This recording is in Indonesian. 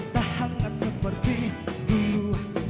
tak hangat seperti dulu